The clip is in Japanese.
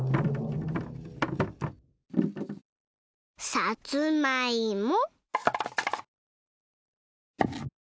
さつまいも。